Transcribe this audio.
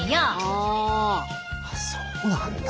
あっそうなんだ。